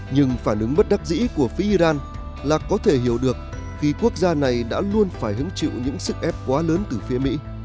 nhưng phản ứng bất đắc dĩ của phía iran là có thể hiểu được khi quốc gia này đã luôn phải hứng chịu những sức ép quá lớn từ phía mỹ